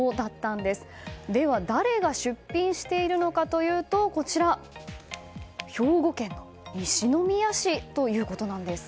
では、誰が出品しているのかというと兵庫県西宮市ということなんです。